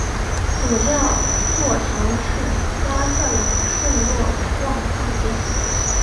主教座堂是拉特朗圣若望大殿。